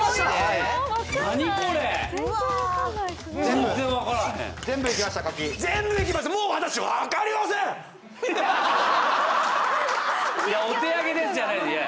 いや「お手上げです」じゃないのよ。